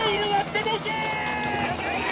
出ていけ！